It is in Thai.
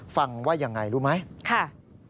ฟังว่ายังไงรู้ไหม